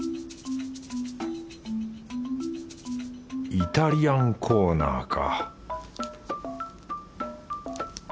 イタリアンコーナーか